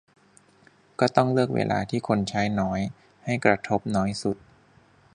ก็ต้องเลือกเวลาที่คนใช้น้อย ให้กระทบน้อยสุด